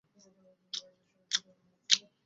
পেটে ক্ষুধা, ভীষণ ঠান্ডা, তা সত্ত্বেও আমি এগোতে থাকলাম।